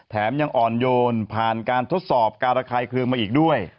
แถมยังอ่อนโยนผ่านการทดสอบการระคายเครื่องมาอีกด้วย